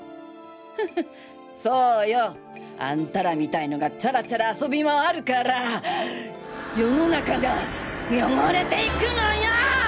フフそうよ！あんたらみたいのがチャラチャラ遊び回るから世の中が汚れていくのよ！